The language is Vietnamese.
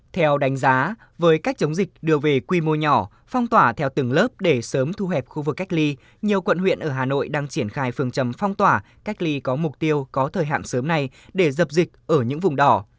theo đánh giá với cách chống dịch đưa về quy mô nhỏ phong tỏa theo từng lớp để sớm thu hẹp khu vực cách ly nhiều quận huyện ở hà nội đang triển khai phương trầm phong tỏa cách ly có mục tiêu có thời hạn sớm này để dập dịch ở những vùng đỏ